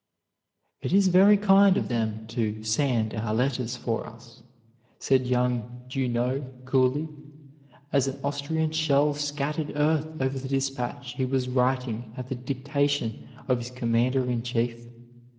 "It is very kind of them to 'sand' our letters for us," said young Junot coolly, as an Austrian shell scattered earth over the dispatch he was writing at the dictation of his commander in chief.